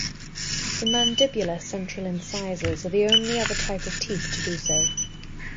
The mandibular central incisors are the only other type of teeth to do so.